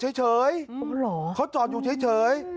เฉยเขาจอดอยู่เฉย